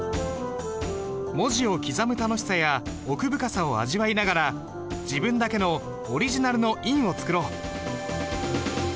文字を刻む楽しさや奥深さを味わいながら自分だけのオリジナルの印を作ろう。